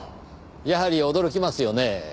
やはり驚きますよねぇ。